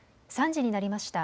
３時になりました。